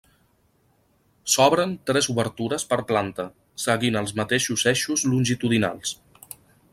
S'obren tres obertures per planta, seguint els mateixos eixos longitudinals.